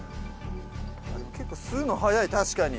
結構吸うの早い確かに。